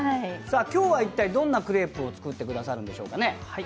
今日は一体、どんなクレープを作ってくださるんでしょうか。